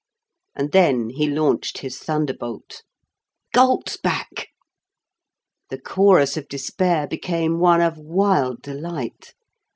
And then he launched his thunderbolt, "Gault's back." The chorus of despair became one of wild delight.